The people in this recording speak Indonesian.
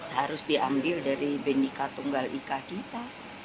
harus diambil dari bendika tunggal wika kita